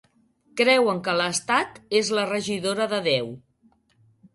Creuen que l'Estat és la Regidora de Déu.